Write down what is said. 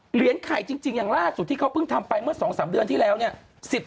ไข่จริงอย่างล่าสุดที่เขาเพิ่งทำไปเมื่อ๒๓เดือนที่แล้วเนี่ย